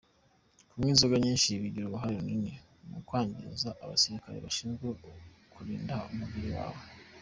Kunywa inzoga nyinshi bigira uruhare runini mu kwangiza abasirikare bashinzwe kurinda umubiri wawe.